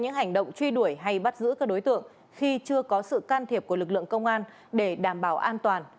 những hành động truy đuổi hay bắt giữ các đối tượng khi chưa có sự can thiệp của lực lượng công an để đảm bảo an toàn